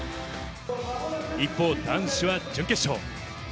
一方、男子は準決勝。